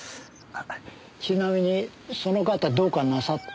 ちなみにその方どうかなさったんですか？